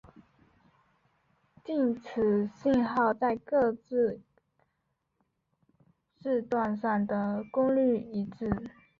即此信号在各个频段上的功率一致。